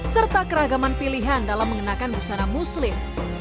serta keragaman pilihan dalam mengenakan busana muslim